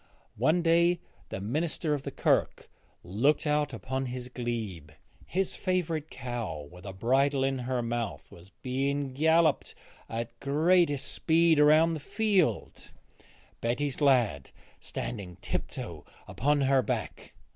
One day the minister of the Kirk looked out upon his glebe. His favourite cow, with a bridle in her mouth, was being galloped at greatest speed around the field, Betty's lad standing tip toe upon her back.